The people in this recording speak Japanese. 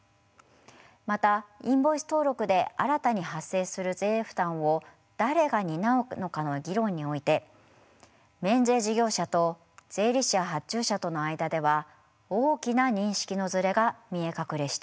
またインボイス登録で新たに発生する税負担を誰が担うのかの議論において免税事業者と税理士や発注者との間では大きな認識のズレが見え隠れしています。